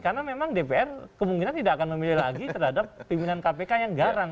karena memang dpr kemungkinan tidak akan memilih lagi terhadap pimpinan kpk yang garang